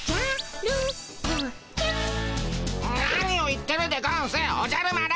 何を言ってるでゴンスおじゃる丸。